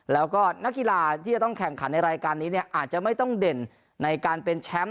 แล้วก็นักกีฬาที่จะต้องแข่งขันในรายการนี้เนี่ยอาจจะไม่ต้องเด่นในการเป็นแชมป์